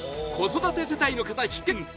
子育て世代の方必見！